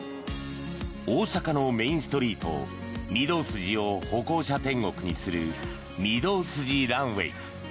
大阪のメインストリート御堂筋を歩行者天国にする御堂筋ランウェイ。